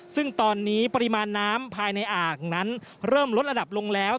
ซึ่งตอนนี้ปริมาณน้ำภายในอ่างนั้นเริ่มลดระดับลงแล้ว